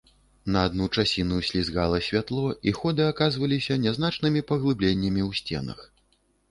На адну часіну слізгала святло, і ходы аказваліся нязначнымі паглыбленнямі ў сценах.